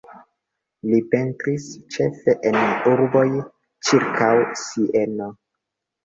Li pentris ĉefe en urboj ĉirkaŭ Sieno.